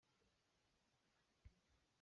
Bia an i el tuk tikah an pawng um a fawi lo.